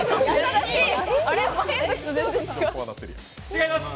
違います。